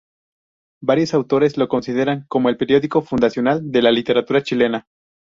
Varios autores lo consideran como el periódico fundacional de la literatura chilena.